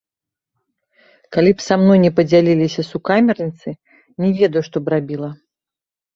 Калі б са мной не падзяліліся сукамерніцы, не ведаю, што б рабіла.